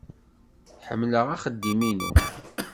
Ḥemmleɣ axeddim-inu.